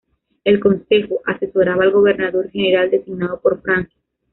El concejo asesoraba al gobernador general designado por Francia.